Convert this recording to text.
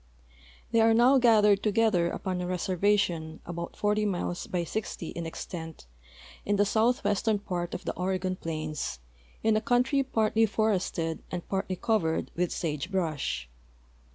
They are now gathered to gether upon a reservation, about 40 miles by 60 in extent, in the southwestern part of the Oregon plains, in a country partly for ested and partly covered with sage brush.